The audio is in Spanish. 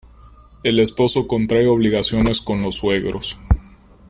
El esposo contrae obligaciones con los suegros.